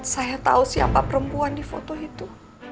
saya tahu siapa perempuan di foto itu